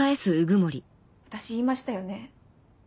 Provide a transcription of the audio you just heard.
私言いましたよね。